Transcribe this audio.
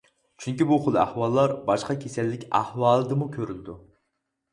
چۈنكى بۇ خىل ئەھۋاللار باشقا كېسەللىك ئەھۋالىدىمۇ كۆرۈلىدۇ.